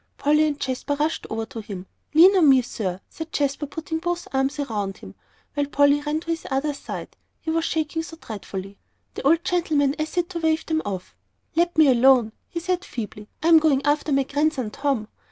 Polly and Jasper rushed over to him. "Lean on me, sir," said Jasper, putting both arms around him, while Polly ran to his other side, he was shaking so dreadfully. The old gentleman essayed to wave them off. "Let me alone," he said feebly; "I'm going after my grandson, Tom."